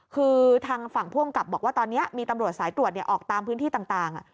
คือทางฝั่งผู้อำกับบอกว่าตอนนี้มีตำรวจสายตรวจออกตามพื้นที่ต่าง